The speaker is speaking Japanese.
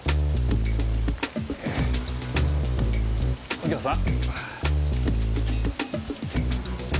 右京さん？